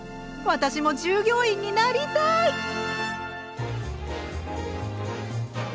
私も従業員になりたい！